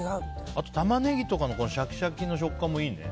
あとタマネギとかのシャキシャキの食感もいいね。